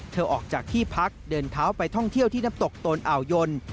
ออกจากที่พักเดินเท้าไปท่องเที่ยวที่น้ำตกโตนอ่าวยน